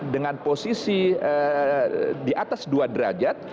dengan posisi di atas dua derajat